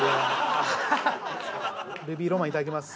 ルビーロマンいただきます。